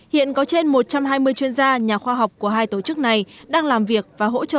hiện có trên một trăm hai mươi chuyên gia nhà khoa học của hai tổ chức này đang làm việc và hỗ trợ